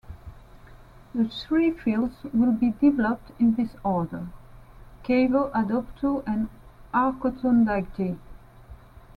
The three fields will be developed in this order: Chayvo, Odoptu and Arkutun-Dagi.